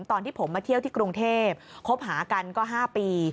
ตอนที่ผมมาเที่ยวที่กรุงเทพคบหากันก็๕ปี